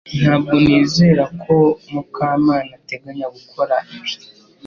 Ntabwo nizera ko Mukamana ateganya gukora ibi